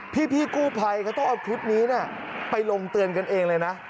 พี่กู้ภัยเขาต้องเอาคลิปนี้ไปลงเตือนกันเองเลยนะ